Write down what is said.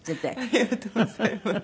ありがとうございます。